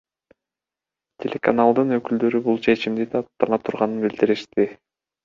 Телеканалдын өкүлдөрү бул чечимди даттана турганын билдиришти.